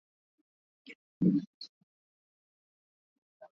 inayochangia utashi wa kutumia dawa za kulevya na kurejelea matumizi na